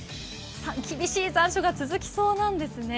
厳しい残暑が続きそうなんですね。